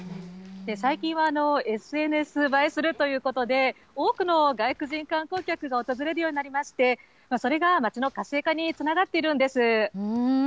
最近はＳＮＳ映えするということで、多くの外国人観光客が訪れるようになりまして、それが街の活性化につながっているんです。